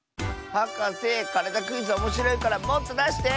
はかせ「からだクイズ」おもしろいからもっとだして！